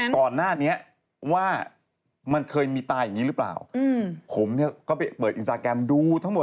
ก่อนหน้านี้ว่ามันเคยมีตาอย่างนี้หรือเปล่าผมเนี่ยก็ไปเปิดอินสตาแกรมดูทั้งหมด